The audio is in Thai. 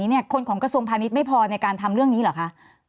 หนิดไม่พอในการทำเรื่องนี้หรือคะ